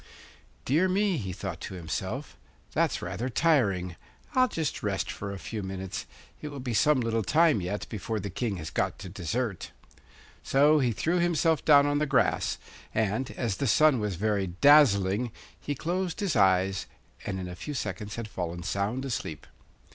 'Dear me,' he thought to himself, 'that's rather tiring! I'll just rest for a few minutes; it will be some little time yet before the King has got to dessert.' So he threw himself down on the grass, and, as the sun was very dazzling, he closed his eyes, and in a few seconds had fallen sound asleep.